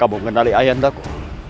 kamu mengenali ayah ndaku